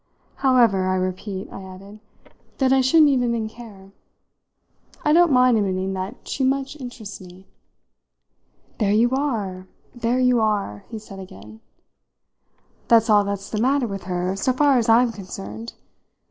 However, I repeat," I added, "that I shouldn't even then care. I don't mind admitting that she much interests me." "There you are, there you are!" he said again. "That's all that's the matter with her so far as I'm concerned.